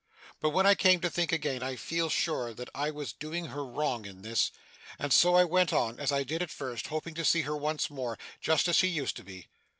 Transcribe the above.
But when I came to think again, I felt sure that I was doing her wrong in this; and so I went on, as I did at first, hoping to see her once more, just as she used to be.